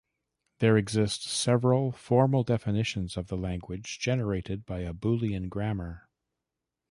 There exist several formal definitions of the language generated by a Boolean grammar.